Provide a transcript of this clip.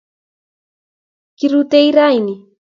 Kirutei rani